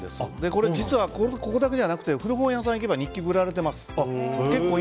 これ実は、ここだけじゃなくて古本屋さんに行けば日記、売られてます。